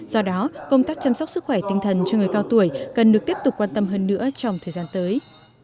do đó công tác chăm sóc sức khỏe tinh thần cho người cao tuổi cần được tiếp tục quan tâm hơn nữa trong thời gian tới